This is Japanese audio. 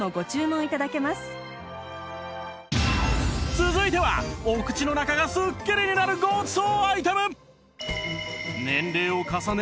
続いてはお口の中がスッキリになるごちそうアイテム！